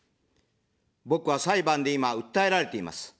僕は裁判で今、訴えられています。